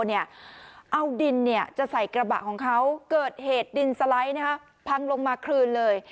เอาดินจะใส่กระบะของเขาเกิดเหตุดินสไลด์พังลงมาคลืนเลย